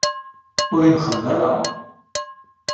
Ur imxell ara.